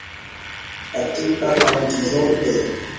katika Kaunti zote